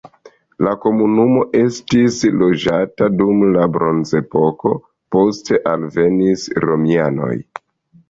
La komunumo estis loĝata dum la bronzepoko, poste alvenis romianoj.